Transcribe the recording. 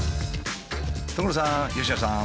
所さん佳乃さん。